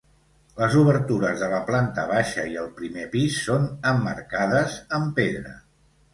Les obertures de la planta baixa i el primer pis són emmarcades amb pedra.